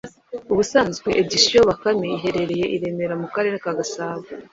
ubusanzwe Editions Bakame iherereye i Remera mu Karere ka Gasabo,